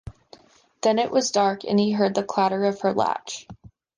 Then it was dark, and he heard the clatter of her latch.